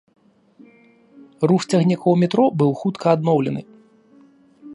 Рух цягнікоў метро быў хутка адноўлены.